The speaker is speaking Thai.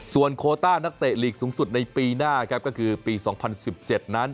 ส่วนโคต้านักเตะลีกสูงสุดในปีหน้าครับก็คือปี๒๐๑๗นั้น